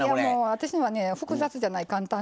私のはね複雑じゃない簡単なので。